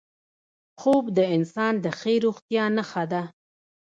خوب د انسان د ښې روغتیا نښه ده